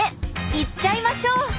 行っちゃいましょう！